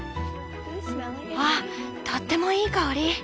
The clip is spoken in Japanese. あっとってもいい香り。